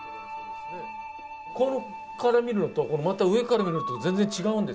ここから見るのとまた上から見ると全然違うんですね。